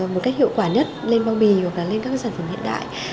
một cách hiệu quả nhất lên bao bì hoặc là lên các sản phẩm hiện đại